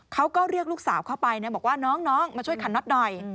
เขาก็เรียกลูกสาวเข้าไปนะบอกว่าน้องมาช่วยขันน็อตหน่อย